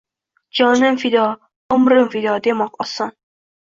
Jonim fido, umrim fido demoq oson